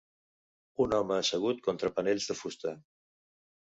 Un home assegut contra panells de fusta.